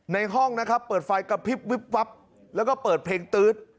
ในห้องนะครับเปิดไฟกระพริบวิบวับแล้วก็เปิดเพลงตื๊ด